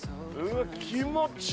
気持ちいい。